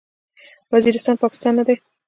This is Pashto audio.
وزیرستان، پاکستان نه دی.